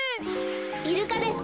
イルカです。